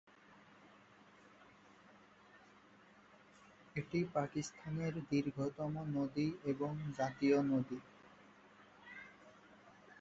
এটি পাকিস্তানের দীর্ঘতম নদী এবং জাতীয় নদী।